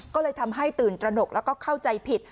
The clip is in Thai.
ก็เลยทำให้ตื่นตระหนกแล้วก็เข้าใจผิด